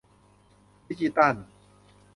ดิจิทัล